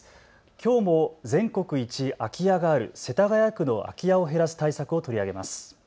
きょうも全国一空き家がある世田谷区の空き家を減らす対策を取り上げます。